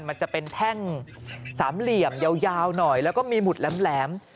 มันจะเป็นแท่งสามเหลี่ยมยาวหน่อยแล้วก็มีหมุดแหลม